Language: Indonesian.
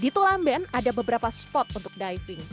di tulam ben ada beberapa spot untuk diving